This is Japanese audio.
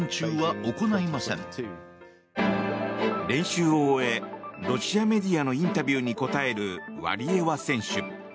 練習を終えロシアメディアのインタビューに答えるワリエワ選手。